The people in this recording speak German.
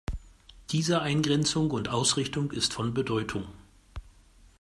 Diese Eingrenzung und Ausrichtung ist von Bedeutung.